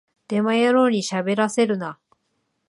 デマ野郎にしゃべらせるな